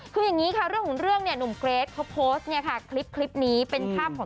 คืออย่างนี้ค่ะเรื่องของเรื่องหนุ่มเกรเค้าโพสต์คลิปเป็นภาพของตัวเอง